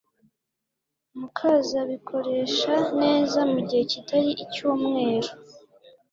mukazabikoresha neza mu gihe kitari icyumwero